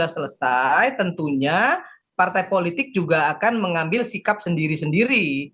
selesai tentunya partai politik juga akan mengambil sikap sendiri sendiri